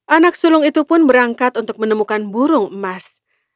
anak sulung itu pun berangkat untuk menemukan burung emas